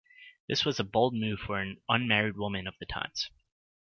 This was a bold move for an unmarried woman of the times.